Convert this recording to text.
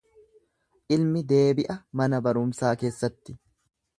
Ilmi deebi'a mana barumsaa keessatti.